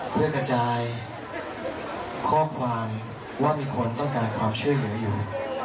เพื่อกระจายข้อความว่ามีคนต้องการความช่วยเหลืออยู่